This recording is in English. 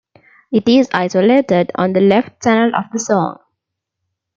It is isolated on the left channel of the song.